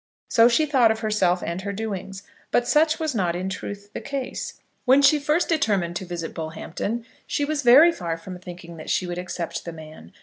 So she thought of herself and her doings; but such was not in truth the case. When she first determined to visit Bullhampton, she was very far from thinking that she would accept the man.